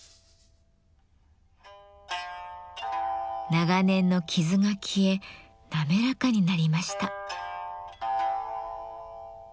長年の傷が消え滑らかになりました。